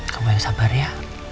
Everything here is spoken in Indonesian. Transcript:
kamu yang sabar ya